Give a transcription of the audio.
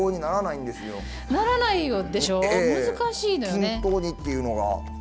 均等にっていうのが。